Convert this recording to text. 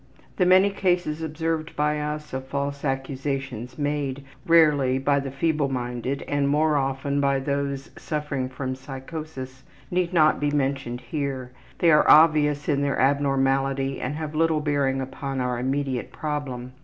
The many cases observed by us of false accusations made, rarely, by the feebleminded and, more often, by those suffering from a psychosis, need not be mentioned here they are obvious in their abnormality and have little bearing upon our immediate problem.